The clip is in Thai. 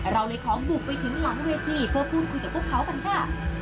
เราเลยขอบุกไปถึงหลังเวทีเพื่อพูดคุยกับพวกเขากันค่ะ